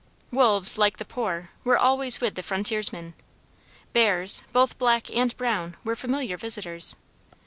Wolves, like the poor, were always with the frontiersmen. Bears, both black and brown, were familiar visitors.